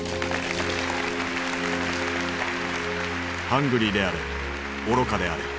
「ハングリーであれ愚かであれ」。